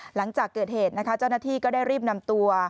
หลังจากเกิดเหตุนะคะเจ้าหน้าที่ก็ได้รีบนำตัว